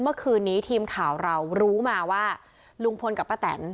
เมื่อคืนนี้ทีมข่าวเรารู้มาว่าลุงพลกับป้าแตน